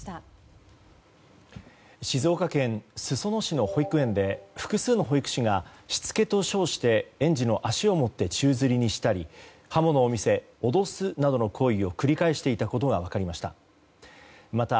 静岡県裾野市の保育園で複数の保育士が、しつけと称して園児の足を持って宙づりにしたり刃物を見せ脅すなどの行為を繰り返していたことが分かりました。